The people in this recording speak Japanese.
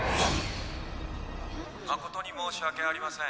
誠に申し訳ありません。